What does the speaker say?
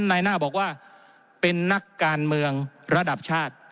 นายหน้าบอกว่าเป็นนักการเมืองระดับชาติ